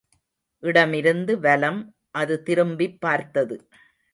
இடமிருந்து வலம் அது திரும்பிப்பார்த்தது.